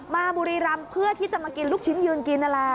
บุรีรำเพื่อที่จะมากินลูกชิ้นยืนกินนั่นแหละ